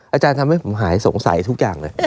อาจารย์ทำให้ผมหายสงสัยทุกอย่างเลย